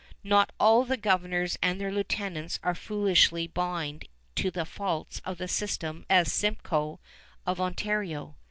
Not all the governors and their lieutenants are as foolishly blind to the faults of the system as Simcoe of Ontario.